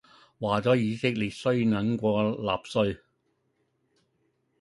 話咗以色列衰能過納粹